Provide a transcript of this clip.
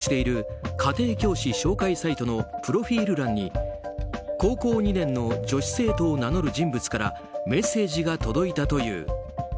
去年１２月この東大生が登録している家庭教師紹介サイトのプロフィール欄に高校２年の女子生徒を名乗る人物からメッセージが届いたという。